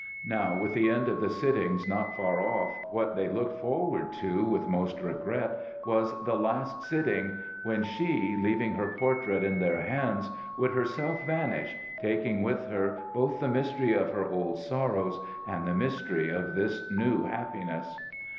Now, with the end of the sittings not far off, what they looked forward to with most regret was the last sitting, when she, leaving her portrait in their hands, would herself vanish, taking with her both the mystery of her old sorrows and the mystery of this new happiness.